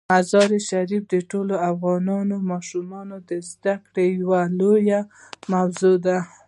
مزارشریف د ټولو افغان ماشومانو د زده کړې یوه لویه موضوع ده.